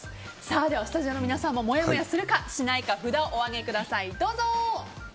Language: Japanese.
では、スタジオの皆さんももやもやするかしないか札をお上げください、どうぞ。